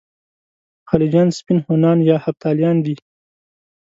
خلجیان سپین هونان یا هفتالیان دي.